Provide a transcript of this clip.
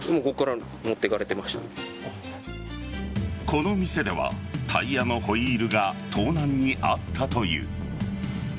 この店ではタイヤのホイールが盗難に遭ったという。